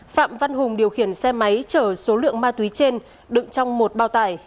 phạm văn hùng điều khiển xe máy chở số lượng ma túy trên đựng trong một bao tải